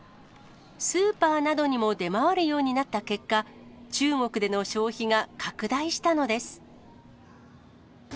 スーパーなどにも出回るようになった結果、中国での消費が拡大したのです。